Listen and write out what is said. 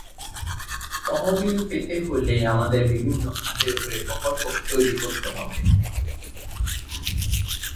তহবিল পেতে হলে আমাদের বিভিন্ন খাতের ওপরে প্রকল্প তৈরি করতে হবে।